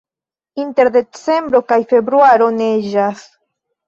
Inter decembro kaj februaro neĝas.